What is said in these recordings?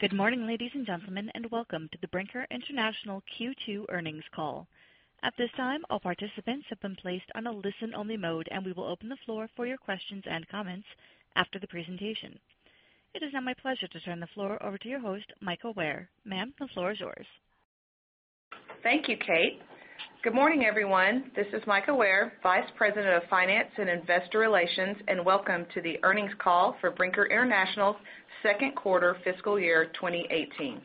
Good morning, ladies and gentlemen, welcome to the Brinker International Q2 earnings call. At this time, all participants have been placed on a listen-only mode. We will open the floor for your questions and comments after the presentation. It is now my pleasure to turn the floor over to your host, Mika Ware. Ma'am, the floor is yours. Thank you, Kate. Good morning, everyone. This is Mika Ware, Vice President of Finance and Investor Relations, welcome to the earnings call for Brinker International's second quarter fiscal year 2018.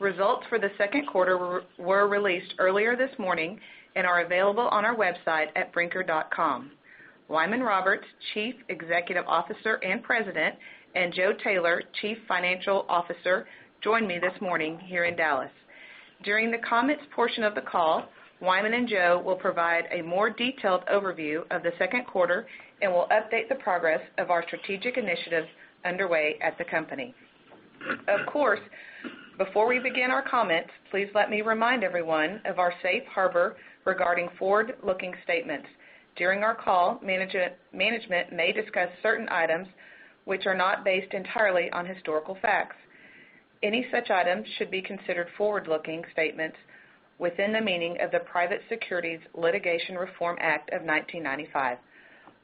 Results for the second quarter were released earlier this morning and are available on our website at brinker.com. Wyman Roberts, Chief Executive Officer and President, Joe Taylor, Chief Financial Officer, join me this morning here in Dallas. During the comments portion of the call, Wyman and Joe will provide a more detailed overview of the second quarter. Will update the progress of our strategic initiatives underway at the company. Of course, before we begin our comments, please let me remind everyone of our safe harbor regarding forward-looking statements. During our call, management may discuss certain items which are not based entirely on historical facts. Any such items should be considered forward-looking statements within the meaning of the Private Securities Litigation Reform Act of 1995.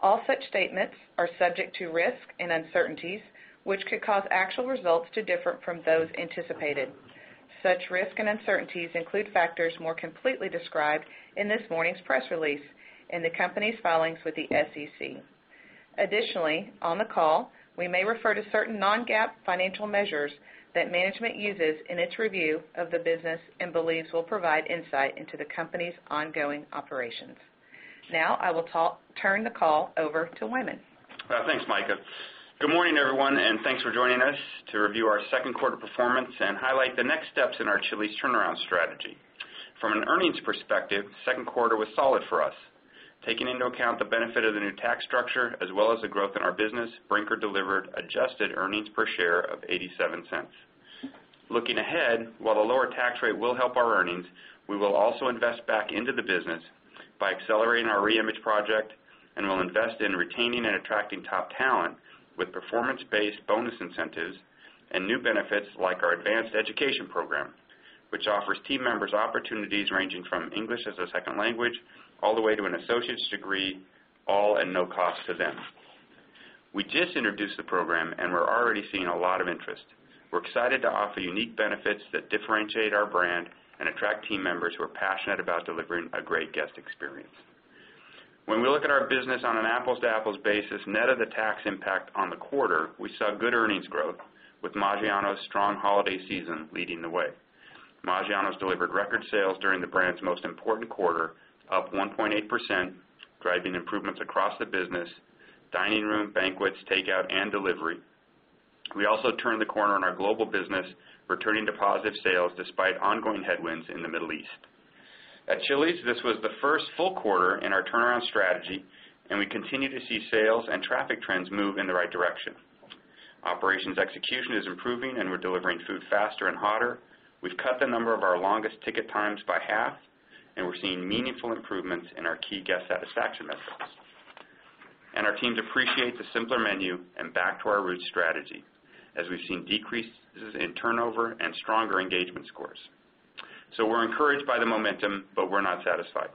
All such statements are subject to risk and uncertainties, which could cause actual results to differ from those anticipated. Such risk and uncertainties include factors more completely described in this morning's press release in the company's filings with the SEC. Additionally, on the call, we may refer to certain non-GAAP financial measures that management uses in its review of the business and believes will provide insight into the company's ongoing operations. Now, I will turn the call over to Wyman. Thanks, Mika. Good morning, everyone, thanks for joining us to review our second quarter performance. Highlight the next steps in our Chili's turnaround strategy. From an earnings perspective, second quarter was solid for us. Taking into account the benefit of the new tax structure, as well as the growth in our business, Brinker delivered adjusted earnings per share of $0.87. Looking ahead, while the lower tax rate will help our earnings, we will also invest back into the business by accelerating our reimage project. Will invest in retaining and attracting top talent with performance-based bonus incentives and new benefits like our advanced education program, which offers team members opportunities ranging from English as a second language all the way to an associate's degree, all at no cost to them. We just introduced the program. We're already seeing a lot of interest. We're excited to offer unique benefits that differentiate our brand and attract team members who are passionate about delivering a great guest experience. When we look at our business on an apples-to-apples basis, net of the tax impact on the quarter, we saw good earnings growth with Maggiano's strong holiday season leading the way. Maggiano's delivered record sales during the brand's most important quarter, up 1.8%, driving improvements across the business, dining room, banquets, takeout, and delivery. We also turned the corner on our global business, returning to positive sales despite ongoing headwinds in the Middle East. At Chili's, this was the first full quarter in our turnaround strategy, we continue to see sales and traffic trends move in the right direction. Operations execution is improving, we're delivering food faster and hotter. We've cut the number of our longest ticket times by half, we're seeing meaningful improvements in our key guest satisfaction measures. Our teams appreciate the simpler menu and back-to-our-roots strategy, as we've seen decreases in turnover and stronger engagement scores. We're encouraged by the momentum, but we're not satisfied.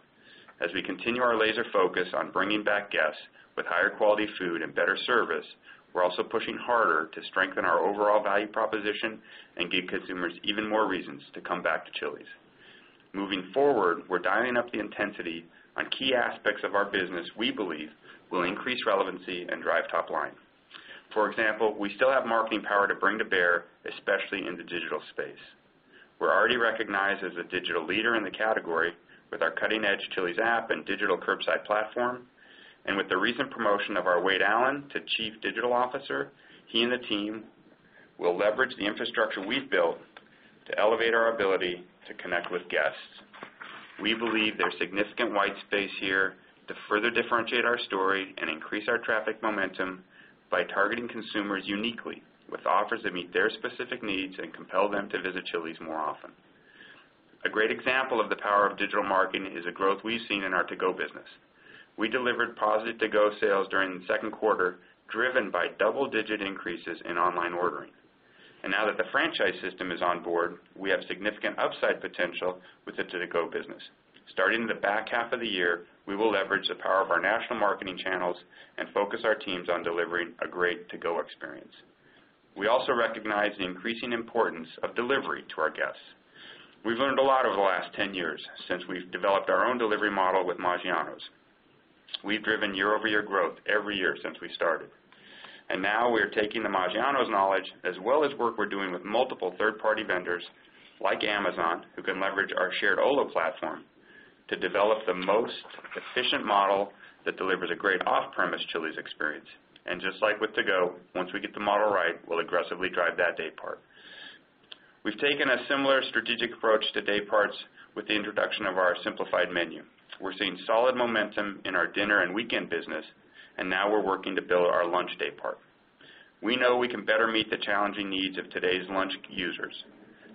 As we continue our laser focus on bringing back guests with higher quality food and better service, we're also pushing harder to strengthen our overall value proposition and give consumers even more reasons to come back to Chili's. Moving forward, we're dialing up the intensity on key aspects of our business we believe will increase relevancy and drive top line. For example, we still have marketing power to bring to bear, especially in the digital space. We're already recognized as a digital leader in the category with our cutting edge Chili's app and digital curbside platform. With the recent promotion of our Wade Allen to Chief Digital Officer, he and the team will leverage the infrastructure we've built to elevate our ability to connect with guests. We believe there's significant white space here to further differentiate our story and increase our traffic momentum by targeting consumers uniquely with offers that meet their specific needs and compel them to visit Chili's more often. A great example of the power of digital marketing is a growth we've seen in our to-go business. We delivered positive to-go sales during the second quarter, driven by double-digit increases in online ordering. Now that the franchise system is on board, we have significant upside potential with the to-go business. Starting in the back half of the year, we will leverage the power of our national marketing channels and focus our teams on delivering a great to-go experience. We also recognize the increasing importance of delivery to our guests. We've learned a lot over the last 10 years since we've developed our own delivery model with Maggiano's. We've driven year-over-year growth every year since we started. Now we're taking the Maggiano's knowledge as well as work we're doing with multiple third-party vendors like Amazon, who can leverage our shared Olo platform to develop the most efficient model that delivers a great off-premise Chili's experience. Just like with to-go, once we get the model right, we'll aggressively drive that day part. We've taken a similar strategic approach to day parts with the introduction of our simplified menu. We're seeing solid momentum in our dinner and weekend business, now we're working to build our lunch day part. We know we can better meet the challenging needs of today's lunch users.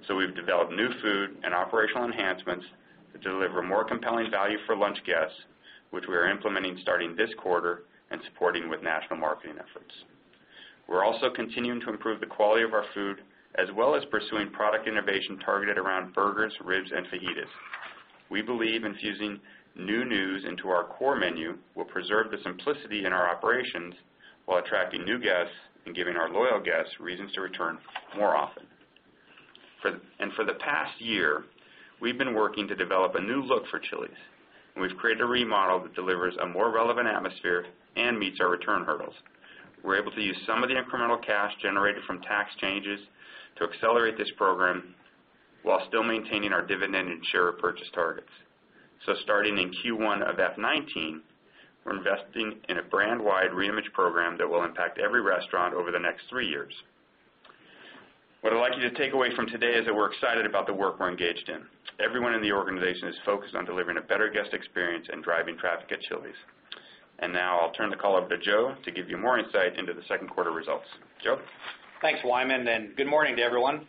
We've developed new food and operational enhancements to deliver more compelling value for lunch guests, which we are implementing starting this quarter and supporting with national marketing efforts. We're also continuing to improve the quality of our food, as well as pursuing product innovation targeted around burgers, ribs, and fajitas. We believe infusing new news into our core menu will preserve the simplicity in our operations while attracting new guests and giving our loyal guests reasons to return more often. For the past year, we've been working to develop a new look for Chili's, and we've created a remodel that delivers a more relevant atmosphere and meets our return hurdles. We're able to use some of the incremental cash generated from tax changes to accelerate this program while still maintaining our dividend and share repurchase targets. Starting in Q1 of FY 2019, we're investing in a brand-wide reimage program that will impact every restaurant over the next three years. What I'd like you to take away from today is that we're excited about the work we're engaged in. Everyone in the organization is focused on delivering a better guest experience and driving traffic at Chili's. Now I'll turn the call over to Joe to give you more insight into the second quarter results. Joe? Thanks, Wyman, and good morning to everyone.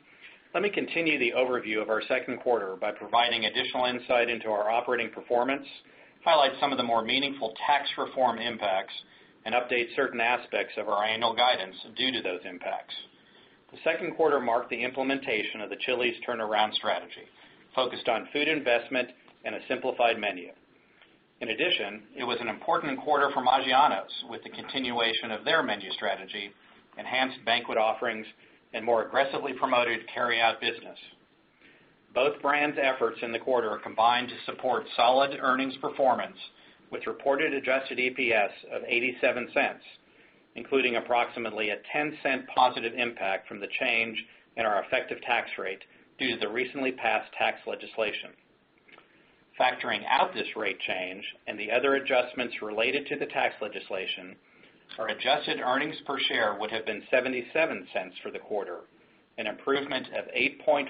Let me continue the overview of our second quarter by providing additional insight into our operating performance, highlight some of the more meaningful tax reform impacts, and update certain aspects of our annual guidance due to those impacts. The second quarter marked the implementation of the Chili's turnaround strategy, focused on food investment and a simplified menu. In addition, it was an important quarter for Maggiano's, with the continuation of their menu strategy, enhanced banquet offerings, and more aggressively promoted carryout business. Both brands' efforts in the quarter combined to support solid earnings performance, with reported adjusted EPS of $0.87, including approximately a $0.10 positive impact from the change in our effective tax rate due to the recently passed tax legislation. Factoring out this rate change and the other adjustments related to the tax legislation, our adjusted earnings per share would have been $0.77 for the quarter, an improvement of 8.5%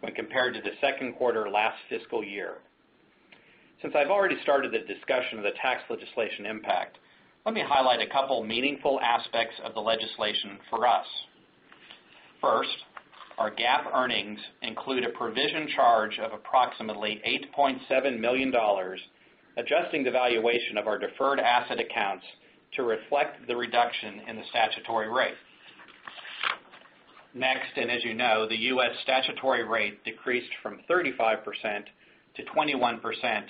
when compared to the second quarter last fiscal year. Since I've already started the discussion of the tax legislation impact, let me highlight a couple meaningful aspects of the legislation for us. First, our GAAP earnings include a provision charge of approximately $8.7 million, adjusting the valuation of our deferred asset accounts to reflect the reduction in the statutory rate. As you know, the U.S. statutory rate decreased from 35% to 21%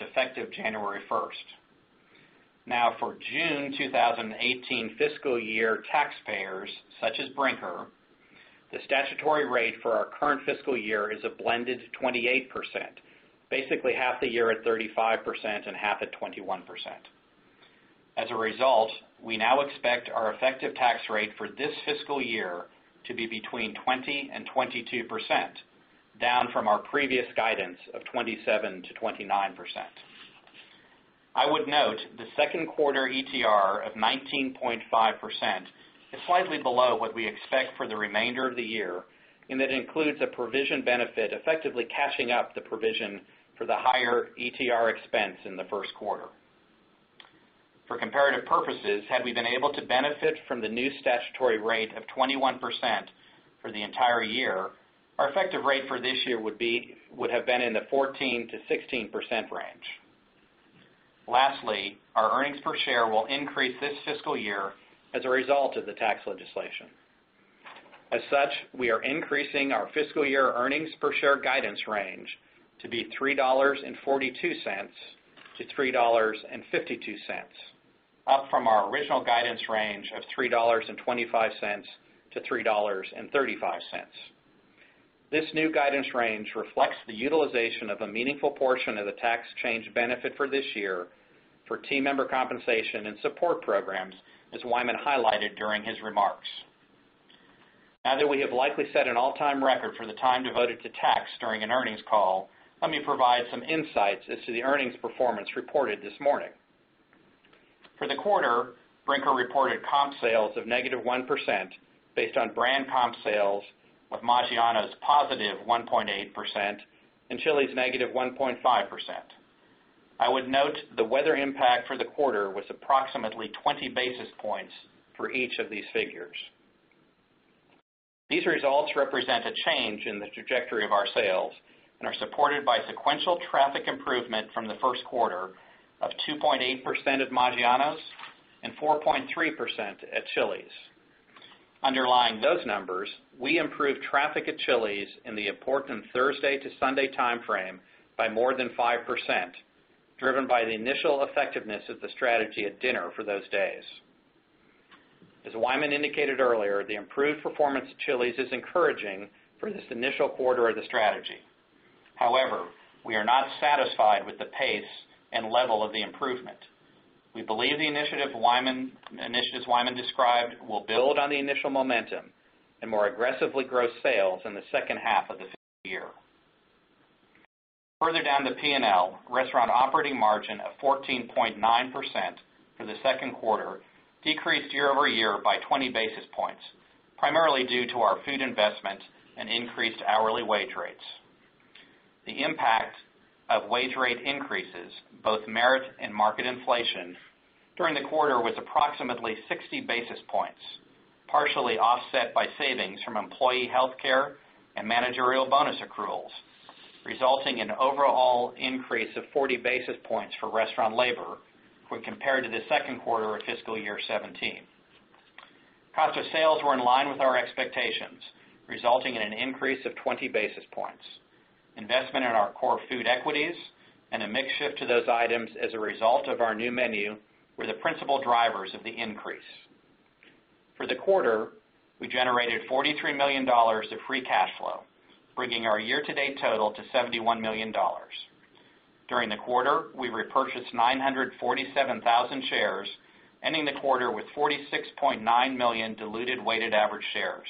effective January 1st. For June 2018 fiscal year taxpayers such as Brinker, the statutory rate for our current fiscal year is a blended 28%, basically half the year at 35% and half at 21%. As a result, we now expect our effective tax rate for this fiscal year to be between 20% and 22%, down from our previous guidance of 27%-29%. I would note the second quarter ETR of 19.5% is slightly below what we expect for the remainder of the year, and it includes a provision benefit, effectively cashing up the provision for the higher ETR expense in the first quarter. For comparative purposes, had we been able to benefit from the new statutory rate of 21% for the entire year, our effective rate for this year would have been in the 14%-16% range. Lastly, our earnings per share will increase this fiscal year as a result of the tax legislation. As such, we are increasing our fiscal year earnings per share guidance range to be $3.42-$3.52, up from our original guidance range of $3.25-$3.35. This new guidance range reflects the utilization of a meaningful portion of the tax change benefit for this year for team member compensation and support programs, as Wyman highlighted during his remarks. Now that we have likely set an all-time record for the time devoted to tax during an earnings call, let me provide some insights as to the earnings performance reported this morning. For the quarter, Brinker reported comp sales of negative 1% based on brand comp sales, with Maggiano's positive 1.8% and Chili's negative 1.5%. I would note the weather impact for the quarter was approximately 20 basis points for each of these figures. These results represent a change in the trajectory of our sales and are supported by sequential traffic improvement from the first quarter of 2.8% at Maggiano's and 4.3% at Chili's. Underlying those numbers, we improved traffic at Chili's in the important Thursday to Sunday timeframe by more than 5%, driven by the initial effectiveness of the strategy at dinner for those days. As Wyman indicated earlier, the improved performance of Chili's is encouraging for this initial quarter of the strategy. However, we are not satisfied with the pace and level of the improvement. We believe the initiatives Wyman described will build on the initial momentum and more aggressively grow sales in the second half of the fiscal year. Further down the P&L, restaurant operating margin of 14.9% for the second quarter decreased year-over-year by 20 basis points, primarily due to our food investment and increased hourly wage rates. The impact of wage rate increases, both merit and market inflation during the quarter was approximately 60 basis points, partially offset by savings from employee healthcare and managerial bonus accruals, resulting in overall increase of 40 basis points for restaurant labor when compared to the second quarter of fiscal year 2017. Cost of sales were in line with our expectations, resulting in an increase of 20 basis points. Investment in our core food equities and a mix shift to those items as a result of our new menu were the principal drivers of the increase. For the quarter, we generated $43 million of free cash flow, bringing our year-to-date total to $71 million. During the quarter, we repurchased 947,000 shares, ending the quarter with 46.9 million diluted weighted average shares.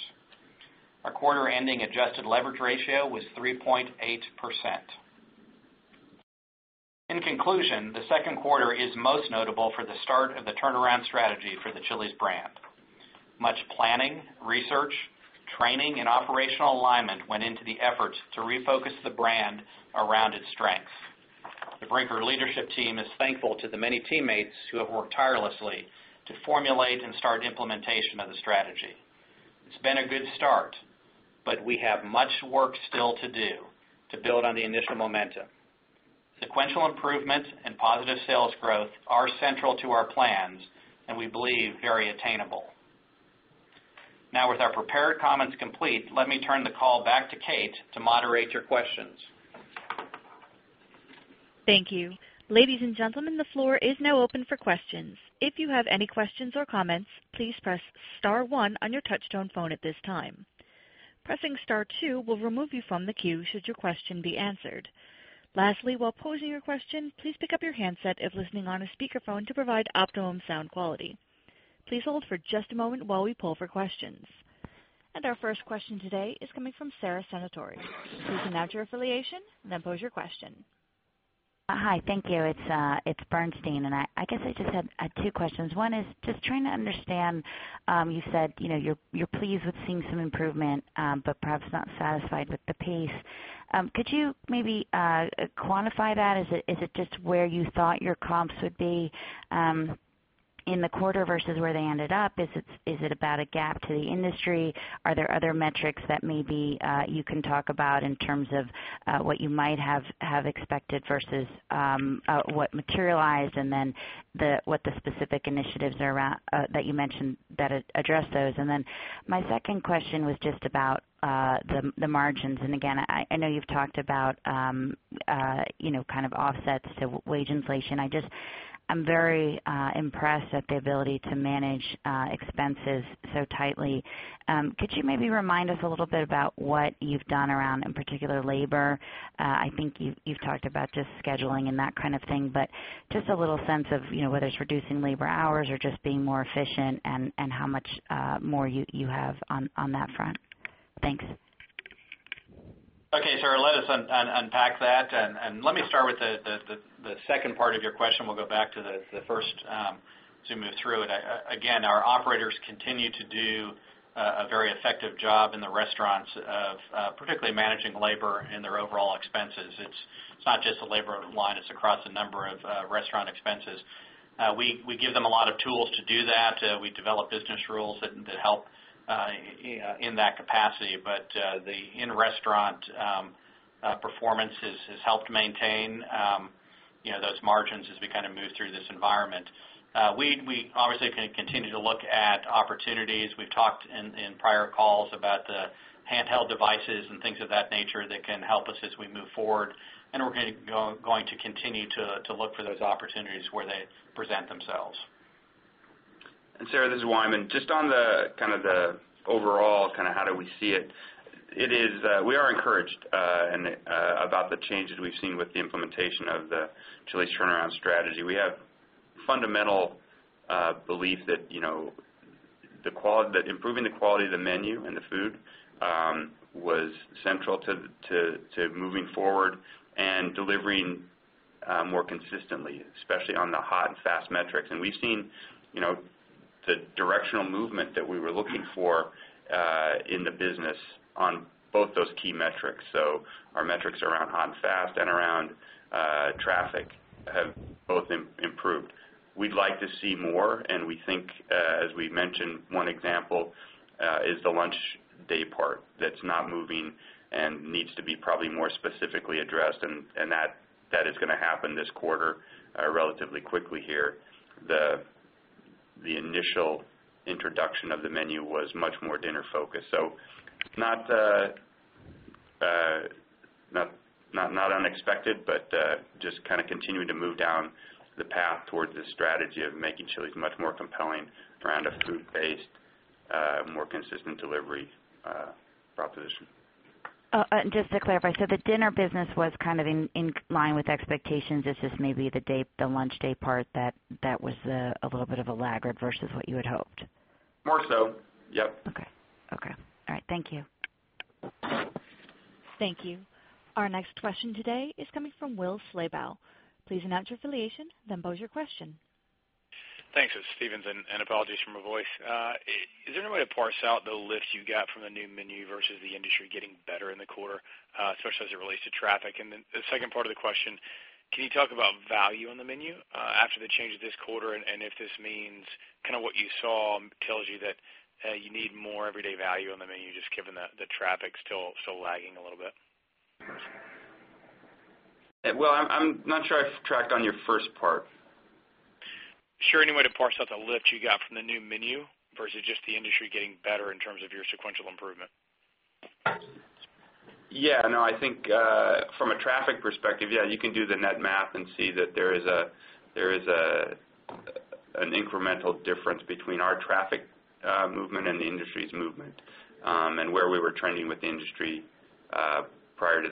Our quarter-ending adjusted leverage ratio was 3.8%. In conclusion, the second quarter is most notable for the start of the turnaround strategy for the Chili's brand. Much planning, research, training, and operational alignment went into the efforts to refocus the brand around its strength. The Brinker leadership team is thankful to the many teammates who have worked tirelessly to formulate and start implementation of the strategy. It's been a good start, but we have much work still to do to build on the initial momentum. Sequential improvements and positive sales growth are central to our plans and we believe very attainable. Now with our prepared comments complete, let me turn the call back to Kate to moderate your questions. Thank you. Ladies and gentlemen, the floor is now open for questions. If you have any questions or comments, please press *1 on your touchtone phone at this time. Pressing *2 will remove you from the queue should your question be answered. Lastly, while posing your question, please pick up your handset if listening on a speakerphone to provide optimum sound quality. Please hold for just a moment while we poll for questions. Our first question today is coming from Sara Senatore. Please announce your affiliation, and then pose your question. Hi, thank you. It's Bernstein, and I guess I just had two questions. One is just trying to understand, you said you're pleased with seeing some improvement, but perhaps not satisfied with the pace. Could you maybe quantify that? Is it just where you thought your comps would be in the quarter versus where they ended up? Is it about a gap to the industry? Are there other metrics that maybe you can talk about in terms of what you might have expected versus what materialized, and then what the specific initiatives that you mentioned that address those? My second question was just about the margins, and again, I know you've talked about offsets to wage inflation. I'm very impressed at the ability to manage expenses so tightly. Could you maybe remind us a little bit about what you've done around, in particular, labor? I think you've talked about just scheduling and that kind of thing, but just a little sense of whether it's reducing labor hours or just being more efficient and how much more you have on that front. Thanks. Okay, Sara, let us unpack that. Let me start with the second part of your question. We'll go back to the first to move through it. Again, our operators continue to do a very effective job in the restaurants of particularly managing labor and their overall expenses. It's not just the labor line, it's across a number of restaurant expenses. We give them a lot of tools to do that. We develop business rules that help in that capacity. The in-restaurant performance has helped maintain those margins as we move through this environment. We obviously continue to look at opportunities. We've talked in prior calls about the handheld devices and things of that nature that can help us as we move forward. We're going to continue to look for those opportunities where they present themselves. Sara, this is Wyman. Just on the overall how do we see it, we are encouraged about the changes we've seen with the implementation of the Chili's turnaround strategy. We have fundamental belief that improving the quality of the menu and the food was central to moving forward and delivering more consistently, especially on the hot and fast metrics. We've seen the directional movement that we were looking for in the business on both those key metrics. Our metrics around hot and fast and around traffic have both improved. We'd like to see more. We think, as we mentioned, one example is the lunch day part that's not moving and needs to be probably more specifically addressed. That is going to happen this quarter relatively quickly here. The initial introduction of the menu was much more dinner-focused. Not unexpected, but just continuing to move down the path towards this strategy of making Chili's much more compelling around a food-based, more consistent delivery proposition. Just to clarify, the dinner business was in line with expectations. It's just maybe the lunch day part that was a little bit of a laggard versus what you had hoped. More so. Yep. Okay. All right. Thank you. Thank you. Our next question today is coming from Will Slabaugh. Please announce your affiliation, then pose your question. Thanks. It's Stifel. Apologies for my voice. Is there any way to parse out the lift you got from the new menu versus the industry getting better in the quarter, especially as it relates to traffic? The second part of the question, can you talk about value on the menu, after the change of this quarter, and if this means what you saw tells you that you need more everyday value on the menu, just given the traffic's still lagging a little bit? I'm not sure I've tracked on your first part. Sure. Any way to parse out the lift you got from the new menu versus just the industry getting better in terms of your sequential improvement? Yeah. I think, from a traffic perspective, yeah, you can do the net math and see that there is an incremental difference between our traffic movement and the industry's movement, and where we were trending with the industry prior to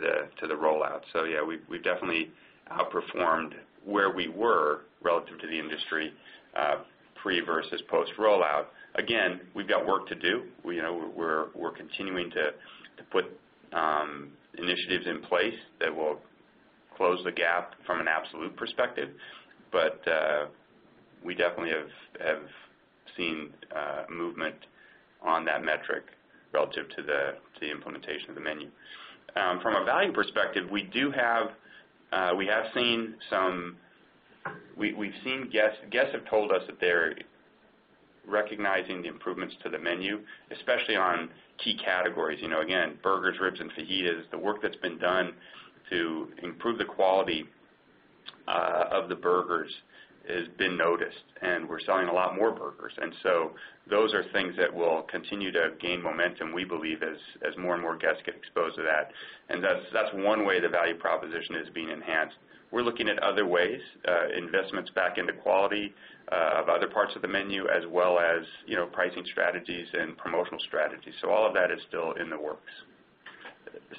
the rollout. yeah, we've definitely outperformed where we were relative to the industry, pre versus post-rollout. Again, we've got work to do. We're continuing to put initiatives in place that will close the gap from an absolute perspective. We definitely have seen movement on that metric relative to the implementation of the menu. From a value perspective, guests have told us that they're recognizing the improvements to the menu, especially on key categories. Again, burgers, ribs, and fajitas. The work that's been done to improve the quality of the burgers has been noticed, and we're selling a lot more burgers. Those are things that will continue to gain momentum, we believe, as more and more guests get exposed to that. That's one way the value proposition is being enhanced. We're looking at other ways, investments back into quality of other parts of the menu, as well as pricing strategies and promotional strategies. All of that is still in the works.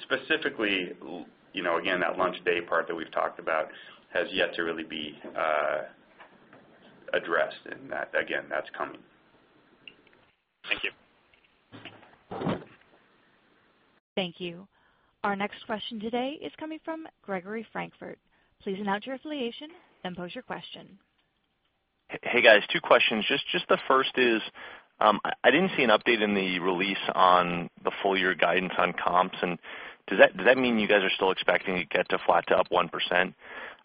Specifically, again, that lunch daypart that we've talked about has yet to really be addressed. That, again, that's coming. Thank you. Thank you. Our next question today is coming from Gregory Francfort. Please announce your affiliation and pose your question. Hey, guys. Two questions. Just the first is, I didn't see an update in the release on the full-year guidance on comps, does that mean you guys are still expecting to get to flat to up 1%?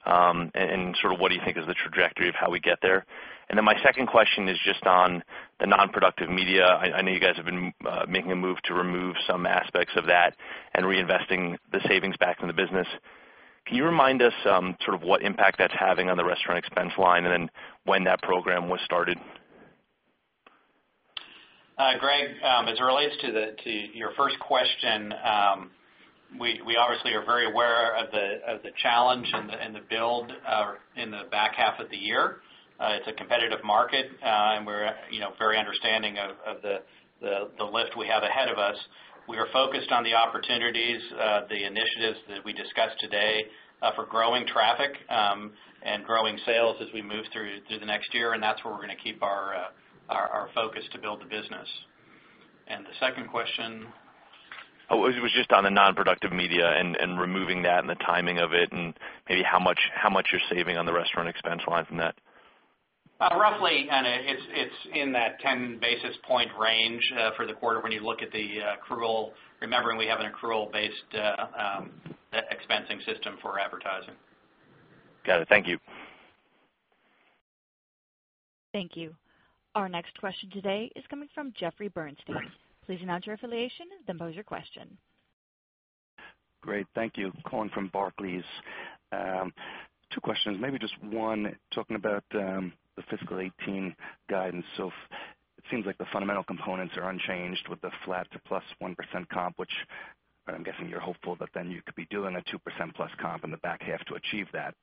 What do you think is the trajectory of how we get there? My second question is just on the non-productive media. I know you guys have been making a move to remove some aspects of that and reinvesting the savings back in the business. Can you remind us what impact that's having on the restaurant expense line and then when that program was started? Greg, as it relates to your first question, we obviously are very aware of the challenge and the build in the back half of the year. It's a competitive market, and we're very understanding of the lift we have ahead of us. We are focused on the opportunities, the initiatives that we discussed today, for growing traffic and growing sales as we move through to the next year, and that's where we're going to keep our focus to build the business. The second question? It was just on the non-productive media and removing that and the timing of it, and maybe how much you're saving on the restaurant expense line from that. Roughly, and it's in that 10 basis point range for the quarter when you look at the accrual, remembering we have an accrual-based expensing system for advertising. Got it. Thank you. Thank you. Our next question today is coming from Jeffrey Bernstein. Please announce your affiliation, then pose your question. Great. Thank you. Calling from Barclays. Two questions. Maybe just one, talking about the fiscal 2018 guidance. It seems like the fundamental components are unchanged with the flat to +1% comp, which I'm guessing you're hopeful that then you could be doing a 2%+ comp in the back half to achieve that.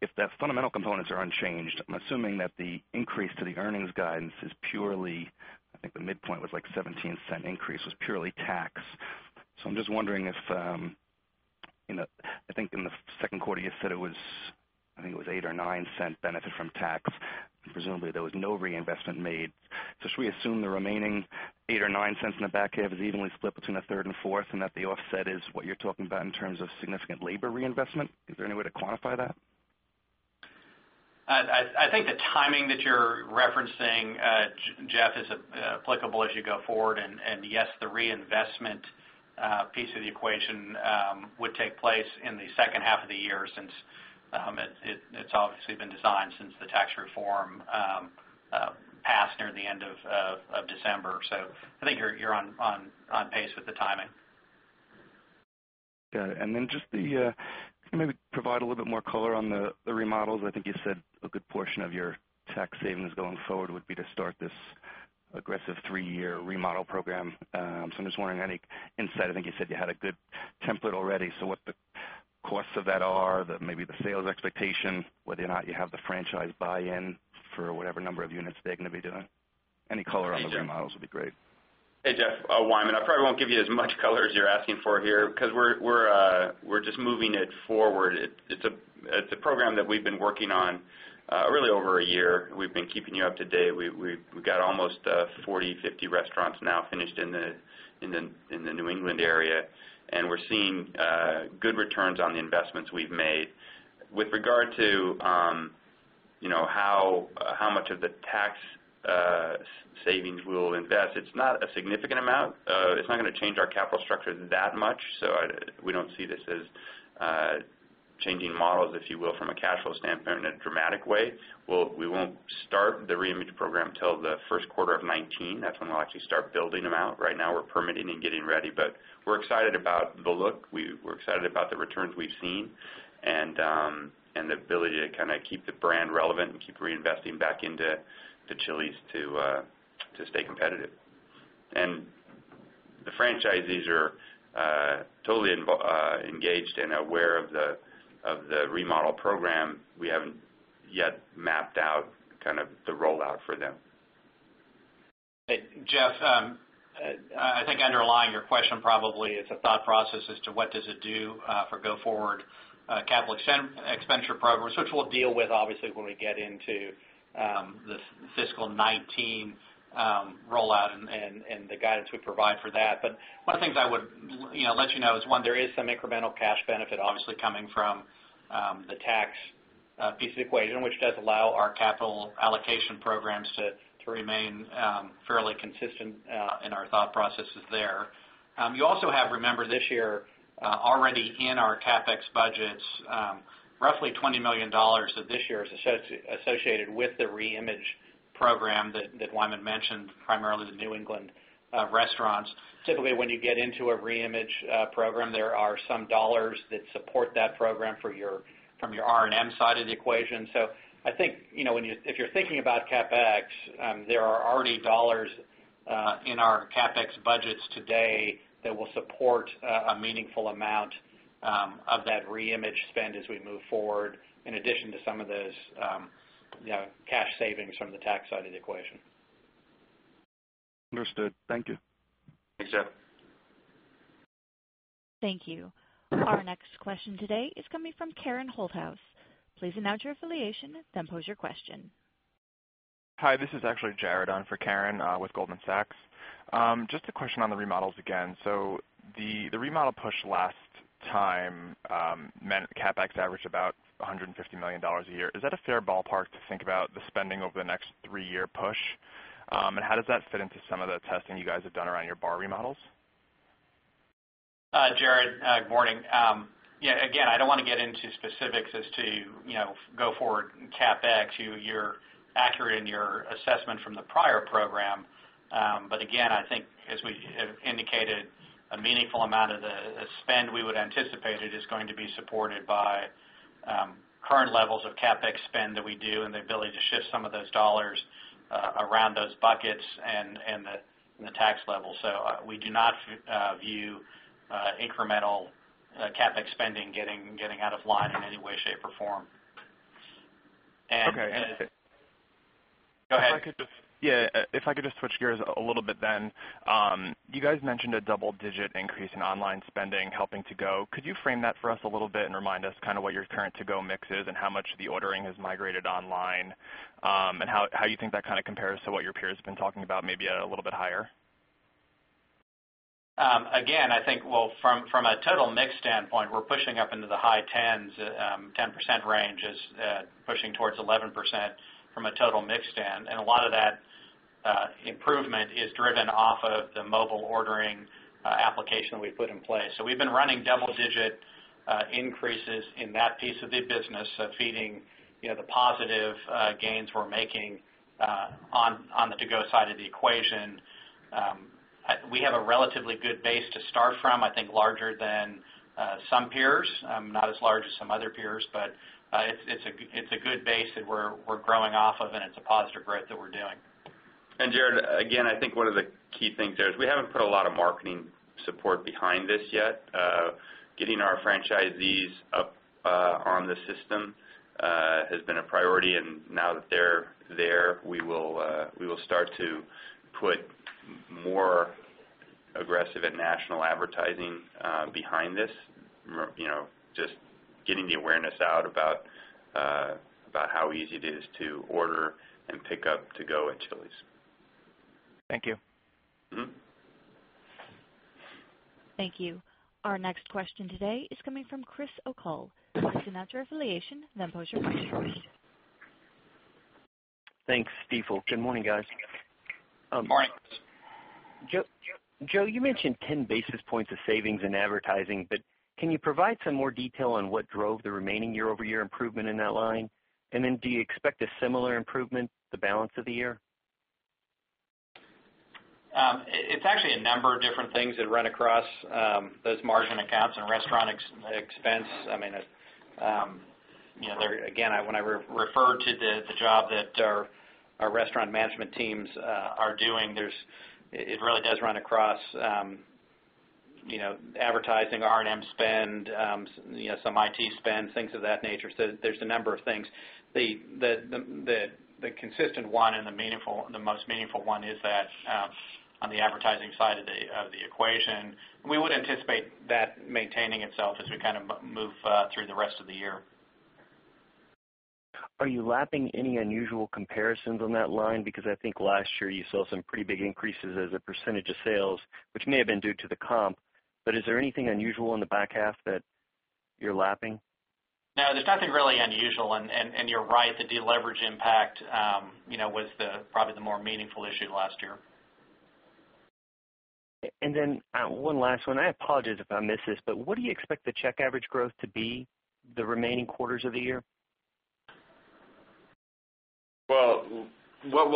If the fundamental components are unchanged, I'm assuming that the increase to the earnings guidance is purely, I think the midpoint was like $0.17 increase, was purely tax. I'm just wondering if, I think in the second quarter you said it was, I think it was $0.08 or $0.09 benefit from tax. Presumably, there was no reinvestment made. Should we assume the remaining $0.08 or $0.09 in the back half is evenly split between the third and fourth quarters, and that the offset is what you're talking about in terms of significant labor reinvestment? Is there any way to quantify that? I think the timing that you're referencing, Jeff, is applicable as you go forward. Yes, the reinvestment piece of the equation would take place in the second half of the year since it's obviously been designed since the tax reform passed near the end of December. I think you're on pace with the timing. Got it. Can you maybe provide a little bit more color on the remodels? I think you said a good portion of your tax savings going forward would be to start this aggressive 3-year remodel program. I'm just wondering, any insight? I think you said you had a good template already. What the costs of that are, maybe the sales expectation, whether or not you have the franchise buy-in for whatever number of units they're going to be doing. Any color on the remodels would be great. Hey, Jeff. Wyman. I probably won't give you as much color as you're asking for here because we're just moving it forward. It's a program that we've been working on really over a year. We've been keeping you up to date. We've got almost 40, 50 restaurants now finished in the New England area, and we're seeing good returns on the investments we've made. With regard to how much of the tax savings we'll invest, it's not a significant amount. It's not going to change our capital structure that much. We don't see this as changing models, if you will, from a cash flow standpoint in a dramatic way. We won't start the Re-image Program till the first quarter of 2019. That's when we'll actually start building them out. Right now, we're permitting and getting ready. We're excited about the look, we're excited about the returns we've seen, and the ability to keep the brand relevant and keep reinvesting back into Chili's to stay competitive. The franchisees are totally engaged and aware of the Remodel Program. We haven't yet mapped out the rollout for them. Hey, Jeff. I think underlying your question probably is a thought process as to what does it do for go forward capital expenditure progress, which we'll deal with obviously when we get into the fiscal 2019 rollout and the guidance we provide for that. One of the things I would let you know is, one, there is some incremental cash benefit, obviously, coming from the tax piece of the equation, which does allow our capital allocation programs to remain fairly consistent in our thought processes there. You also have, remember, this year, already in our CapEx budgets, roughly $20 million of this year is associated with the Re-image Program that Wyman mentioned, primarily the New England restaurants. Typically, when you get into a Re-image Program, there are some dollars that support that program from your R&M side of the equation. I think, if you're thinking about CapEx, there are already dollars in our CapEx budgets today that will support a meaningful amount of that Re-image spend as we move forward, in addition to some of those cash savings from the tax side of the equation. Understood. Thank you. Thanks, Jeff Farmer. Thank you. Our next question today is coming from Karen Holthouse. Please announce your affiliation, then pose your question. Hi, this is actually Jared on for Karen with Goldman Sachs. Just a question on the remodels again. The remodel push last time meant CapEx averaged about $150 million a year. Is that a fair ballpark to think about the spending over the next three-year push? And how does that fit into some of the testing you guys have done around your bar remodels? Jared, good morning. I don't want to get into specifics as to go forward in CapEx. You're accurate in your assessment from the prior program. I think as we have indicated, a meaningful amount of the spend we would anticipate is going to be supported by current levels of CapEx spend that we do and the ability to shift some of those dollars around those buckets and the tax level. We do not view incremental CapEx spending getting out of line in any way, shape, or form. Okay. Go ahead. If I could just switch gears a little bit then. You guys mentioned a double-digit increase in online spending helping to-go. Could you frame that for us a little bit and remind us what your current to-go mix is and how much of the ordering has migrated online, and how you think that compares to what your peers have been talking about, maybe a little bit higher? I think from a total mix standpoint, we're pushing up into the high 10s, 10% range, pushing towards 11% from a total mix stand. A lot of that improvement is driven off of the mobile ordering application we put in place. We've been running double-digit increases in that piece of the business, feeding the positive gains we're making on the to-go side of the equation. We have a relatively good base to start from, I think larger than some peers, not as large as some other peers, but it's a good base that we're growing off of, and it's a positive growth that we're doing. Jared, again, I think one of the key things there is we haven't put a lot of marketing support behind this yet. Getting our franchisees up on the system has been a priority, and now that they're there, we will start to put more aggressive and national advertising behind this. Just getting the awareness out about how easy it is to order and pick up to go at Chili's. Thank you. Thank you. Our next question today is coming from Christopher O'Cull. Please state your affiliation, then pose your question. Thanks, Stifel. Good morning, guys. Morning. Joe, can you provide some more detail on what drove the remaining year-over-year improvement in that line? Do you expect a similar improvement the balance of the year? It's actually a number of different things that run across those margin accounts and restaurant expense. Again, when I refer to the job that our restaurant management teams are doing, it really does run across advertising, R&M spend, some IT spend, things of that nature. There's a number of things. The consistent one and the most meaningful one is that on the advertising side of the equation. We would anticipate that maintaining itself as we move through the rest of the year. Are you lapping any unusual comparisons on that line? I think last year you saw some pretty big increases as a percentage of sales, which may have been due to the comp. Is there anything unusual in the back half that you're lapping? No, there's nothing really unusual. You're right, the deleverage impact was probably the more meaningful issue last year. One last one. I apologize if I missed this, what do you expect the check average growth to be the remaining quarters of the year? Well, what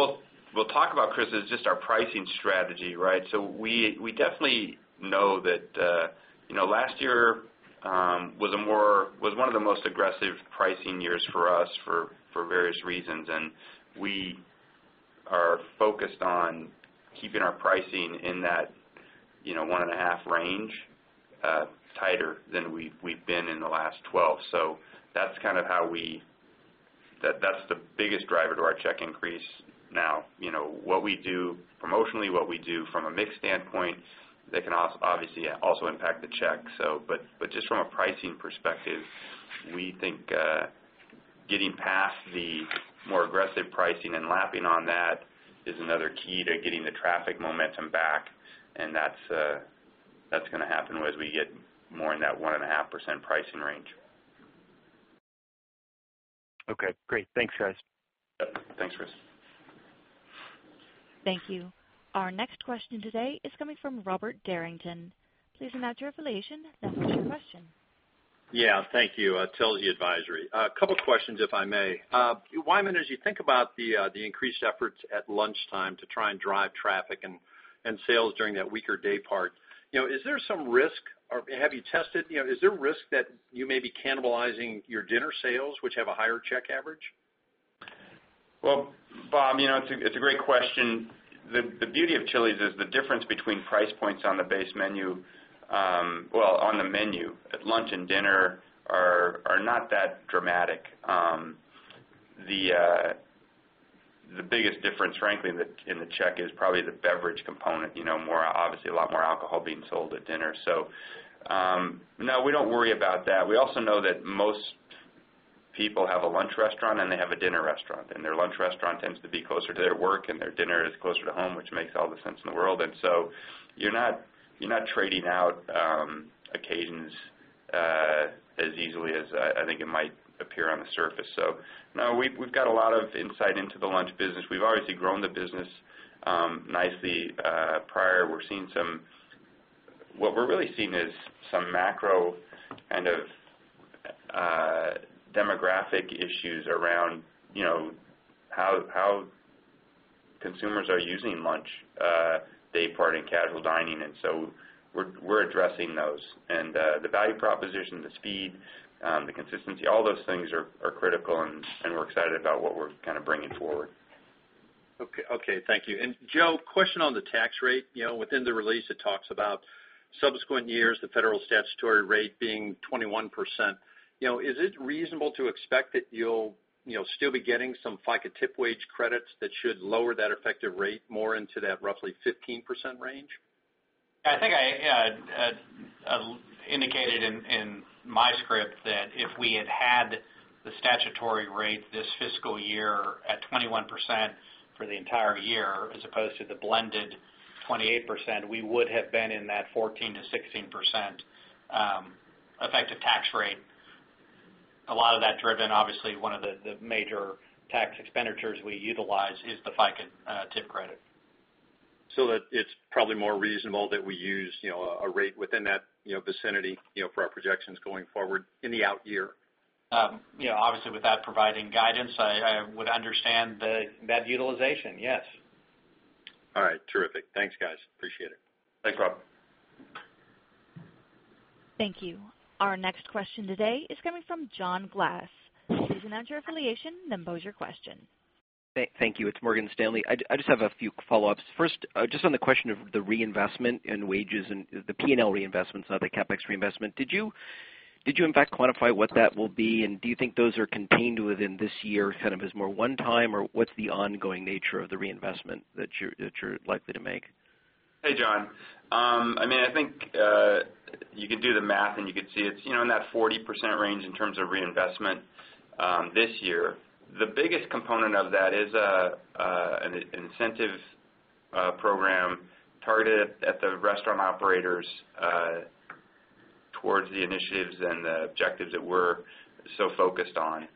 we'll talk about, Chris, is just our pricing strategy, right? We definitely know that last year was one of the most aggressive pricing years for us for various reasons, and we are focused on keeping our pricing in that 1.5 range tighter than we've been in the last 12. That's the biggest driver to our check increase now. What we do promotionally, what we do from a mix standpoint, that can obviously also impact the check. Just from a pricing perspective, we think getting past the more aggressive pricing and lapping on that is another key to getting the traffic momentum back, and that's going to happen as we get more in that 1.5% pricing range. Okay, great. Thanks, guys. Thanks, Chris. Thank you. Our next question today is coming from Robert Derrington. Please announce your affiliation, then pose your question. Yeah, thank you. Telsey Advisory Group. A couple questions, if I may. Wyman, as you think about the increased efforts at lunchtime to try and drive traffic and sales during that weaker day part, is there some risk, or have you tested, is there risk that you may be cannibalizing your dinner sales, which have a higher check average? Well, Bob, it's a great question. The beauty of Chili's is the difference between price points on the base menu. Well, on the menu at lunch and dinner are not that dramatic. The biggest difference, frankly, in the check is probably the beverage component. Obviously, a lot more alcohol being sold at dinner. No, we don't worry about that. We also know that most people have a lunch restaurant and they have a dinner restaurant, and their lunch restaurant tends to be closer to their work and their dinner is closer to home, which makes all the sense in the world. You're not trading out occasions as easily as I think it might appear on the surface. No, we've got a lot of insight into the lunch business. We've obviously grown the business nicely. Prior, what we're really seeing is some macro kind of demographic issues around how consumers are using lunch day part in casual dining. We're addressing those. The value proposition, the speed, the consistency, all those things are critical, and we're excited about what we're kind of bringing forward. Okay. Thank you. Joe, question on the tax rate. Within the release, it talks about subsequent years, the federal statutory rate being 21%. Is it reasonable to expect that you'll still be getting some FICA tip wage credits that should lower that effective rate more into that roughly 15% range? I think I indicated in my script that if we had had the statutory rate this fiscal year at 21% for the entire year, as opposed to the blended 28%, we would have been in that 14%-16% effective tax rate. A lot of that driven, obviously, one of the major tax expenditures we utilize is the FICA tip credit. That it's probably more reasonable that we use a rate within that vicinity for our projections going forward in the out year. Obviously, without providing guidance, I would understand that utilization, yes. All right. Terrific. Thanks, guys. Appreciate it. Thanks, Rob. Thank you. Our next question today is coming from John Glass. Please announce your affiliation, then pose your question. Thank you. It's Morgan Stanley. I just have a few follow-ups. First, just on the question of the reinvestment in wages and the P&L reinvestments, not the CapEx reinvestment. Did you in fact quantify what that will be? Do you think those are contained within this year kind of as more one time, or what's the ongoing nature of the reinvestment that you're likely to make? Hey, John. I think you can do the math and you can see it's in that 40% range in terms of reinvestment this year. The biggest component of that is an incentive program targeted at the restaurant operators towards the initiatives and the objectives that we're so focused on.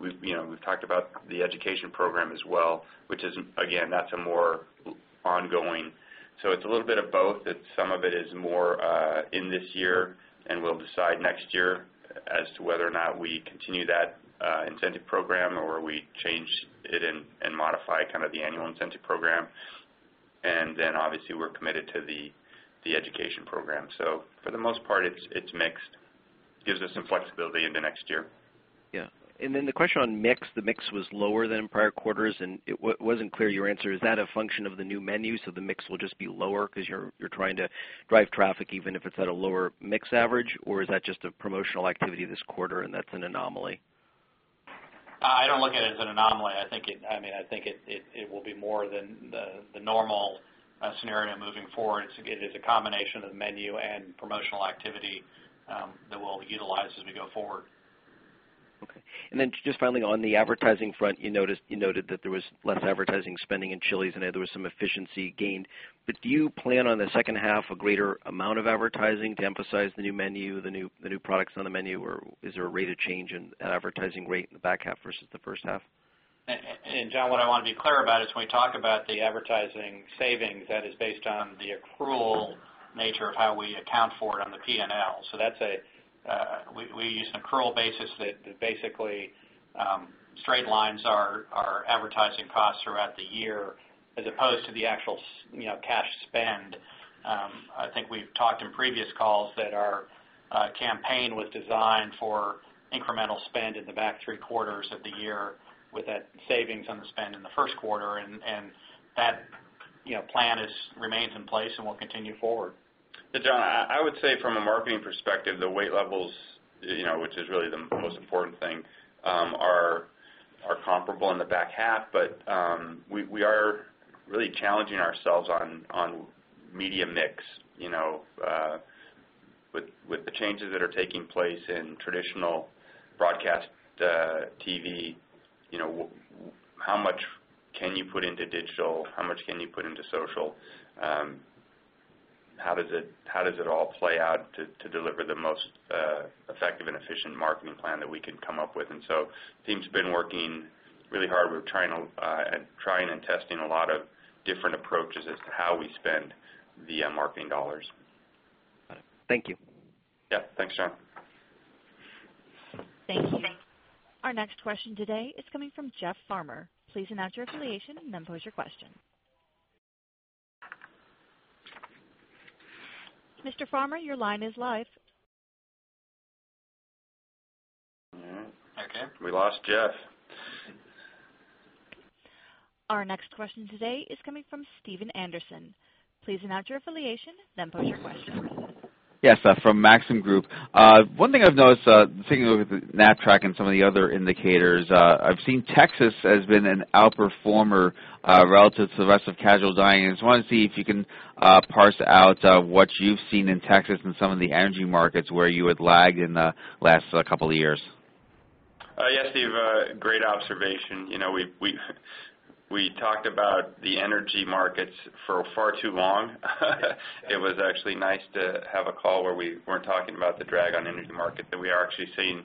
We've talked about the education program as well, which is, again, that's a more ongoing. It's a little bit of both, that some of it is more in this year and we'll decide next year as to whether or not we continue that incentive program or we change it and modify kind of the annual incentive program. Obviously we're committed to the education program. For the most part, it's mixed, gives us some flexibility into next year. Yeah. The question on mix, the mix was lower than prior quarters, and it wasn't clear your answer. Is that a function of the new menu, the mix will just be lower because you're trying to drive traffic, even if it's at a lower mix average? Is that just a promotional activity this quarter and that's an anomaly? I don't look at it as an anomaly. I think it will be more than the normal scenario moving forward. It is a combination of menu and promotional activity that we'll utilize as we go forward. Okay. Just finally, on the advertising front, you noted that there was less advertising spending in Chili's, and that there was some efficiency gained. Do you plan on the second half a greater amount of advertising to emphasize the new menu, the new products on the menu, or is there a rate of change in advertising rate in the back half versus the first half? John, what I want to be clear about is when we talk about the advertising savings, that is based on the accrual nature of how we account for it on the P&L. We use an accrual basis that basically straight lines our advertising costs throughout the year as opposed to the actual cash spend. I think we've talked in previous calls that our campaign was designed for incremental spend in the back three quarters of the year with that savings on the spend in the first quarter. That plan remains in place and will continue forward. John, I would say from a marketing perspective, the weight levels, which is really the most important thing, are comparable in the back half. We are really challenging ourselves on media mix. With the changes that are taking place in traditional broadcast TV, how much can you put into digital? How much can you put into social? How does it all play out to deliver the most effective and efficient marketing plan that we can come up with? The team's been working really hard. We're trying and testing a lot of different approaches as to how we spend the marketing dollars. Got it. Thank you. Yep. Thanks, John. Thank you. Our next question today is coming from Jeff Farmer. Please announce your affiliation and then pose your question. Mr. Farmer, your line is live. Okay. We lost Jeff. Our next question today is coming from Stephen Anderson. Please announce your affiliation, then pose your question. Yes, from Maxim Group. One thing I've noticed, taking a look at the Knapp-Track and some of the other indicators, I've seen Texas has been an outperformer relative to the rest of casual dining, and just wanted to see if you can parse out what you've seen in Texas and some of the energy markets where you had lagged in the last couple of years. Yes, Steve. Great observation. We talked about the energy markets for far too long. It was actually nice to have a call where we weren't talking about the drag on energy market, that we are actually seeing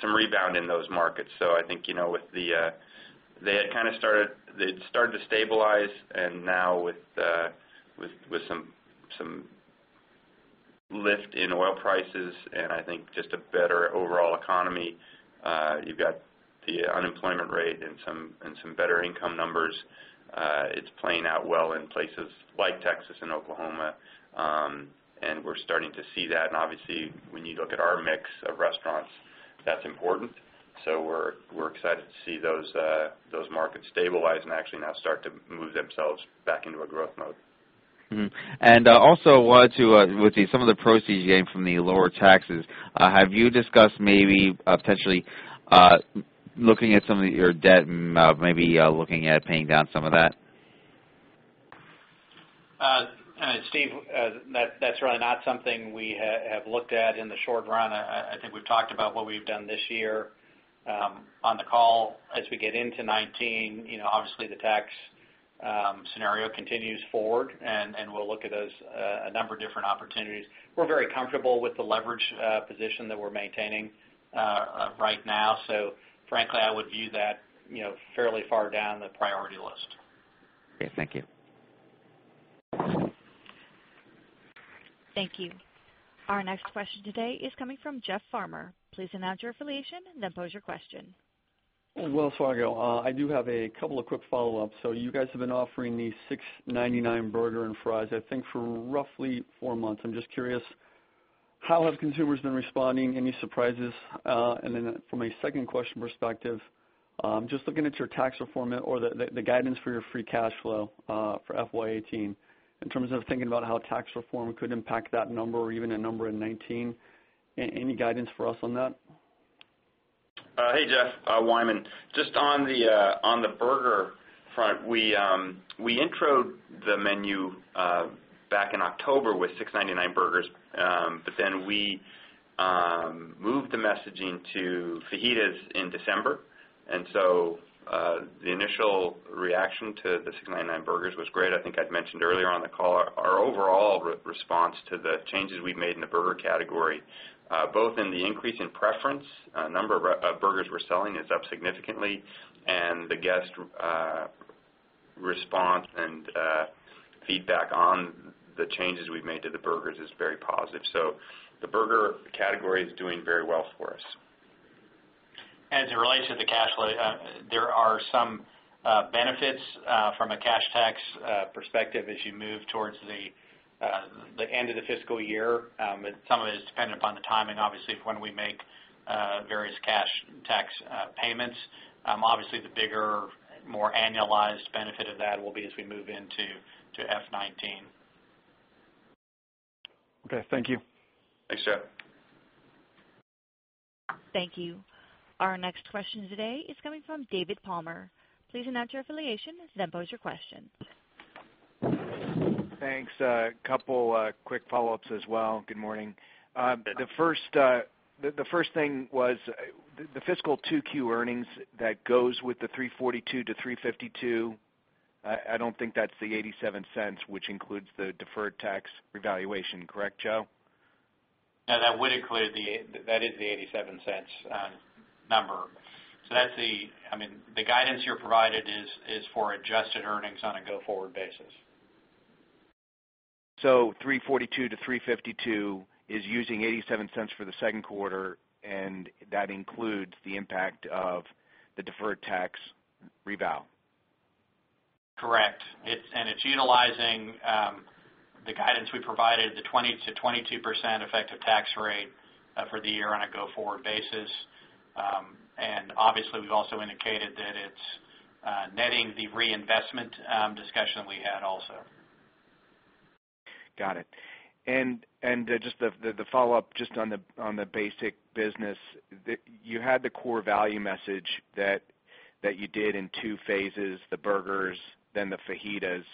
some rebound in those markets. I think they had started to stabilize and now with some lift in oil prices and I think just a better overall economy. You've got the unemployment rate and some better income numbers. It's playing out well in places like Texas and Oklahoma, and we're starting to see that. Obviously when you look at our mix of restaurants, that's important. We're excited to see those markets stabilize and actually now start to move themselves back into a growth mode. Mm-hmm. Also wanted to, with some of the proceeds you gained from the lower taxes, have you discussed maybe potentially looking at some of your debt and maybe looking at paying down some of that? Steve, that's really not something we have looked at in the short run. I think we've talked about what we've done this year on the call. As we get into 2019, obviously, the tax scenario continues forward, and we'll look at those, a number of different opportunities. We're very comfortable with the leverage position that we're maintaining right now. Frankly, I would view that fairly far down the priority list. Okay. Thank you. Thank you. Our next question today is coming from Jeff Farmer. Please announce your affiliation, then pose your question. Wells Fargo, I do have a couple of quick follow-ups. You guys have been offering the $6.99 burger and fries, I think for roughly four months. I'm just curious, how have consumers been responding? Any surprises? From a second question perspective, just looking at your tax reform or the guidance for your free cash flow for FY 2018, in terms of thinking about how tax reform could impact that number or even a number in 2019. Any guidance for us on that? Hey, Jeff. Wyman. Just on the burger front, we intro-ed the menu back in October with $6.99 burgers. We moved the messaging to fajitas in December. The initial reaction to the $6.99 burgers was great. I think I'd mentioned earlier on the call, our overall response to the changes we've made in the burger category, both in the increase in preference, number of burgers we're selling is up significantly. The guest response and feedback on the changes we've made to the burgers is very positive. The burger category is doing very well for us. As it relates to the cash flow, there are some benefits from a cash tax perspective as you move towards the end of the fiscal year. Some of it is dependent upon the timing, obviously, of when we make various cash tax payments. Obviously, the bigger, more annualized benefit of that will be as we move into FY 2019. Okay. Thank you. Thanks, Joe. Thank you. Our next question today is coming from David Palmer. Please announce your affiliation, then pose your question. Thanks. A couple quick follow-ups as well. Good morning. The first thing was the fiscal 2Q earnings that goes with the $342-$352. I don't think that's the $0.87, which includes the deferred tax revaluation. Correct, Joe? No, that is the $0.87 number. The guidance you're provided is for adjusted earnings on a go-forward basis. $342-$352 is using $0.87 for the second quarter, and that includes the impact of the deferred tax reval. Correct. It's utilizing the guidance we provided, the 20%-22% effective tax rate for the year on a go-forward basis. Obviously, we've also indicated that it's netting the reinvestment discussion we had also. Got it. Just the follow-up, just on the basic business, you had the core value message that you did in two phases, the burgers then the fajitas.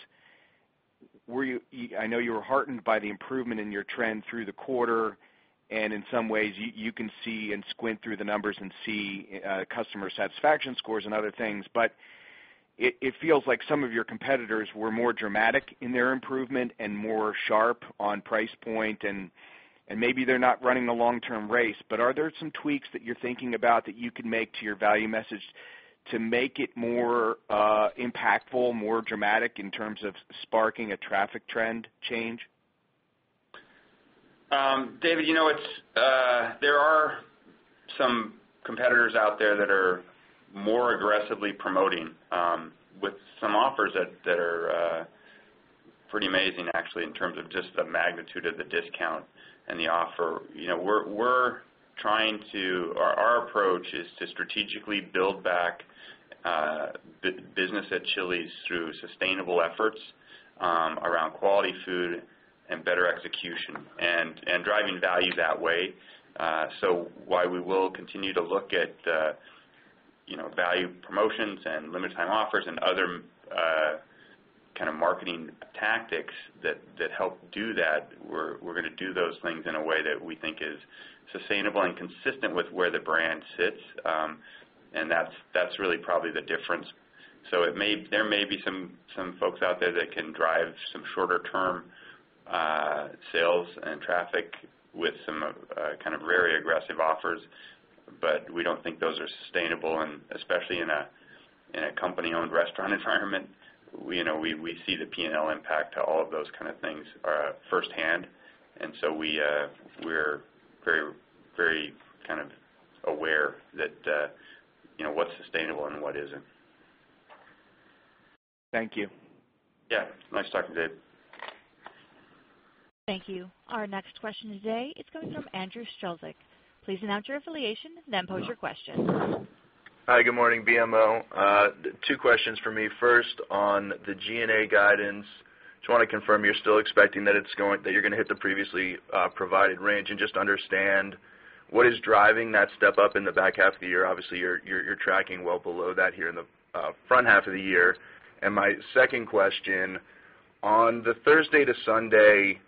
I know you were heartened by the improvement in your trend through the quarter, and in some ways, you can see and squint through the numbers and see customer satisfaction scores and other things. It feels like some of your competitors were more dramatic in their improvement and more sharp on price point, and maybe they're not running the long-term race. Are there some tweaks that you're thinking about that you can make to your value message to make it more impactful, more dramatic in terms of sparking a traffic trend change? David, there are some competitors out there that are more aggressively promoting with some offers that are pretty amazing, actually, in terms of just the magnitude of the discount and the offer. Our approach is to strategically build back business at Chili's through sustainable efforts around quality food and better execution, and driving value that way. While we will continue to look at value promotions and limited time offers and other kind of marketing tactics that help do that, we're going to do those things in a way that we think is sustainable and consistent with where the brand sits. That's really probably the difference. There may be some folks out there that can drive some shorter-term sales and traffic with some kind of very aggressive offers, but we don't think those are sustainable, and especially in a company-owned restaurant environment. We see the P&L impact to all of those kind of things firsthand, and so we're very aware of what's sustainable and what isn't. Thank you. Yeah. Nice talking, Dave. Thank you. Our next question today is coming from Andrew Strelzik. Please announce your affiliation, then pose your question. Hi. Good morning. BMO. Two questions for me. First, on the G&A guidance, just want to confirm you're still expecting that you're going to hit the previously provided range and just understand what is driving that step up in the back half of the year. Obviously, you're tracking well below that here in the front half of the year. My second question, on the Thursday to Sunday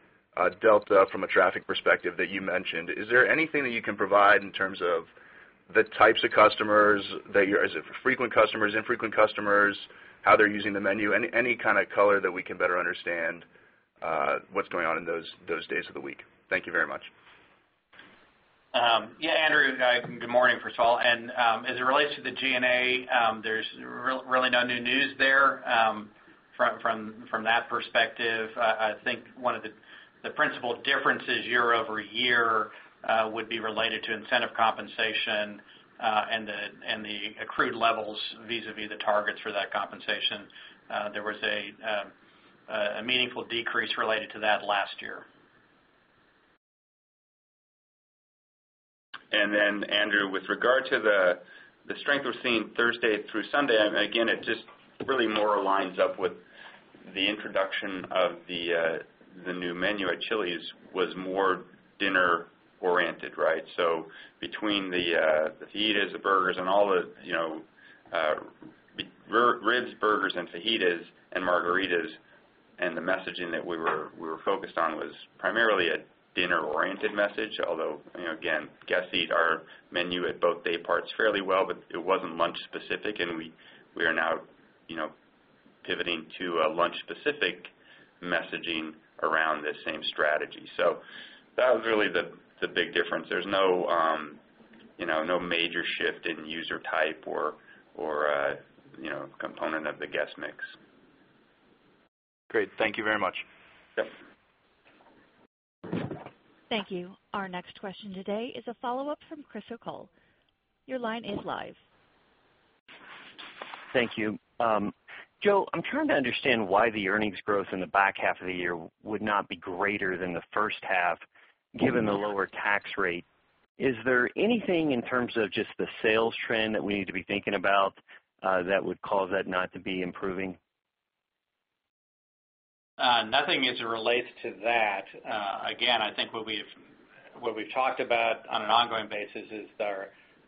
delta from a traffic perspective that you mentioned, is there anything that you can provide in terms of the types of customers? Is it frequent customers, infrequent customers, how they're using the menu? Any kind of color that we can better understand what's going on in those days of the week. Thank you very much. Yeah, Andrew. Good morning, first of all. As it relates to the G&A, there's really no new news there from that perspective. I think one of the principal differences year-over-year would be related to incentive compensation and the accrued levels vis-a-vis the targets for that compensation. There was a meaningful decrease related to that last year. Then Andrew, with regard to the strength we're seeing Thursday through Sunday, and again, it just really more aligns up with the introduction of the new menu at Chili's was more dinner oriented, right? Between the fajitas, the burgers, and all the ribs, burgers and fajitas and margaritas, and the messaging that we were focused on was primarily a dinner-oriented message. Although, again, guests eat our menu at both day parts fairly well, but it wasn't lunch specific, and we are now pivoting to a lunch specific messaging around this same strategy. That was really the big difference. There's no major shift in user type or component of the guest mix. Great. Thank you very much. Yep. Thank you. Our next question today is a follow-up from Chris O'Cull. Your line is live. Thank you. Joe, I'm trying to understand why the earnings growth in the back half of the year would not be greater than the first half given the lower tax rate. Is there anything in terms of just the sales trend that we need to be thinking about that would cause that not to be improving? Nothing as it relates to that. Again, I think what we've talked about on an ongoing basis is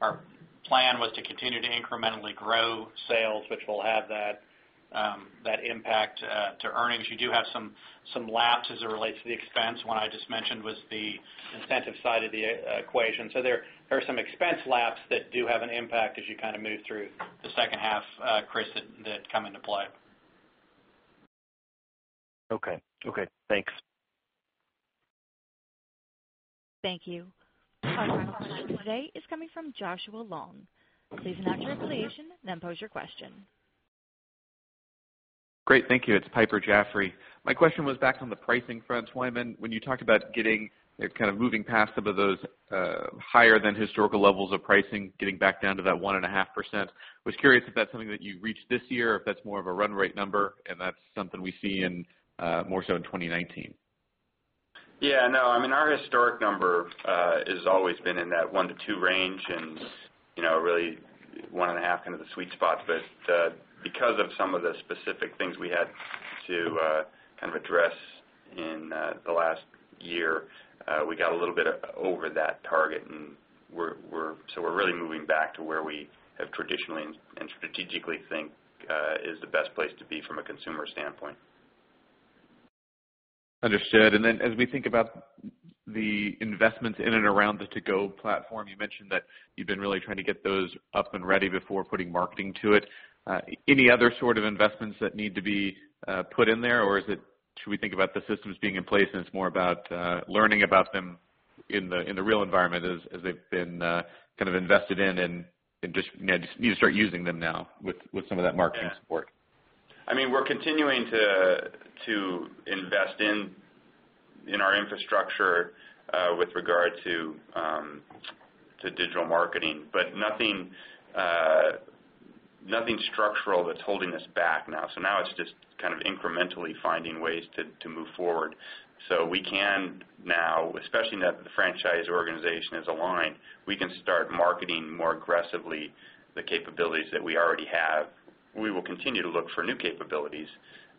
our plan was to continue to incrementally grow sales, which will have that impact to earnings. You do have some laps as it relates to the expense. One I just mentioned was the incentive side of the equation. There are some expense laps that do have an impact as you kind of move through the second half, Chris, that come into play. Okay. Thanks. Thank you. Our next question today is coming from Joshua Long. Please state your affiliation, then pose your question. Great. Thank you. It's Piper Jaffray. My question was back on the pricing front. Wyman, when you talked about kind of moving past some of those higher than historical levels of pricing, getting back down to that 1.5%, I was curious if that's something that you reached this year, or if that's more of a run rate number, and that's something we see more so in 2019. Yeah. No. I mean, our historic number has always been in that one to two range, and really one and a half, kind of the sweet spot. Because of some of the specific things we had to kind of address in the last year, we got a little bit over that target, and so we're really moving back to where we have traditionally and strategically think is the best place to be from a consumer standpoint. Understood. Then as we think about the investments in and around the To-Go platform, you mentioned that you've been really trying to get those up and ready before putting marketing to it. Any other sort of investments that need to be put in there, or should we think about the systems being in place, and it's more about learning about them in the real environment as they've been kind of invested in and you start using them now with some of that marketing support? I mean, we're continuing to invest in our infrastructure with regard to digital marketing, nothing structural that's holding us back now. Now it's just kind of incrementally finding ways to move forward. We can now, especially now that the franchise organization is aligned, we can start marketing more aggressively the capabilities that we already have. We will continue to look for new capabilities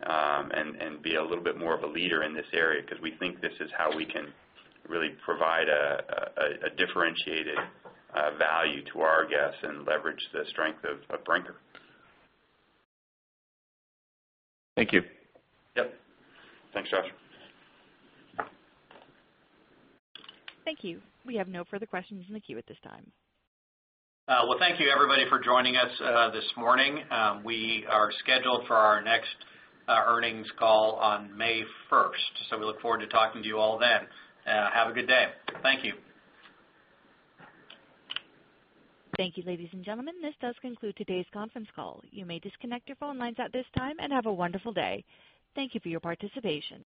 and be a little bit more of a leader in this area because we think this is how we can really provide a differentiated value to our guests and leverage the strength of Brinker. Thank you. Yep. Thanks, Josh. Thank you. We have no further questions in the queue at this time. Thank you everybody for joining us this morning. We are scheduled for our next earnings call on May 1st. We look forward to talking to you all then. Have a good day. Thank you. Thank you, ladies and gentlemen. This does conclude today's conference call. You may disconnect your phone lines at this time, and have a wonderful day. Thank you for your participation.